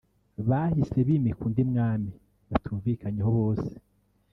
bahise bimika undi mwami (batumvikanyeho bose)